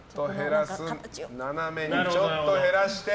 斜めにちょっと減らした。